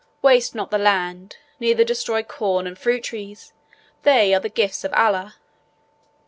Waste not the land, neither destroy corn and fruit trees; they are the gifts of Allah.